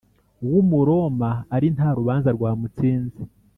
w Umuroma ari nta rubanza rwamutsinze